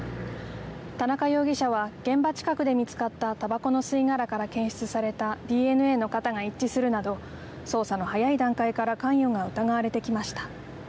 田中容疑者は現場近くで見つかったたばこの吸い殻から検出されたＤＮＡの型が一致するなど捜査の早い段階から関与が疑われてきました。